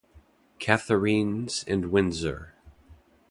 Catharines and Windsor.